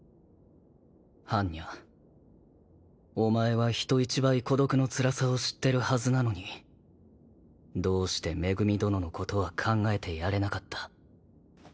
般若お前は人一倍孤独のつらさを知ってるはずなのにどうして恵殿のことは考えてやれなかった。